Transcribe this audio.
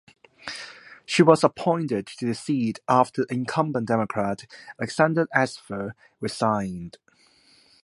She was appointed to the seat after incumbent Democrat Alexander Assefa resigned.